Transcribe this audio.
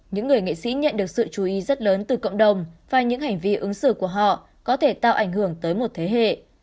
những người nghệ sĩ nhận được sự chú ý rất lớn từ cộng đồng và những hành vi ứng xử của họ có thể tạo ảnh hưởng tới một thế hệ